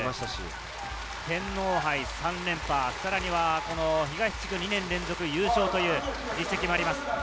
天皇杯３連覇、さらには東地区２年連続優勝という実績もあります。